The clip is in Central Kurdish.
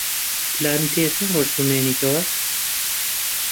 پلانت هەیە چەند ڕۆژ بمێنیتەوە؟